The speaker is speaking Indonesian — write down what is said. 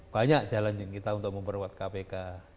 banyak jalan kita untuk memperkuat kpk